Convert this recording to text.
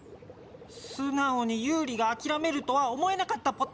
素直にユウリがあきらめるとは思えなかったポタ。